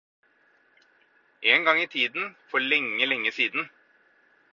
En gang i tiden, for lenge, lenge siden.